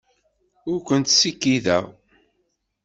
Ur kent-skikkiḍeɣ.